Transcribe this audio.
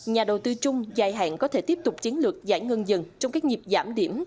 nhà đầu tư trung dài hạn có thể tiếp tục chiến lược giải ngân dần trong các nhịp giảm điểm